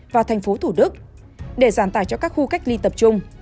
và thành phố thủ đức để giảm tài cho các khu cách ly tập trung